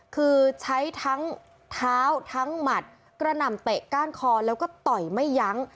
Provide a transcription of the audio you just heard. คือใช้ทั้งเท้าทั้งหมัดกระหน่ำเตะก้านคอแล้วก็ต่อยไม่ยั้ง